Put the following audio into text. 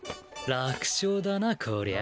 楽勝だなこりゃ。